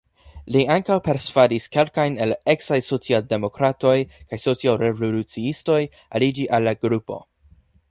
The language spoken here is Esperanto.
Li ankaŭ persvadis kelkajn el eksaj social-demokratoj kaj social-revoluciistoj aliĝi al la grupo.